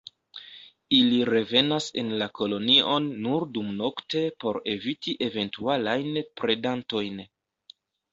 Ili revenas en la kolonion nur dumnokte por eviti eventualajn predantojn.